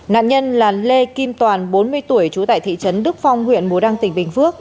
nạn nhân là lê kim toàn bốn mươi tuổi trú tại thị trấn đức phong huyện bù đăng tỉnh bình phước